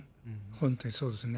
本当にそうですね。